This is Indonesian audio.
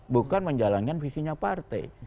bukan menjalankan visinya partai